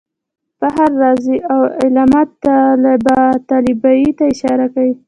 فخر رازي او علامه طباطبايي ته اشاره کوي.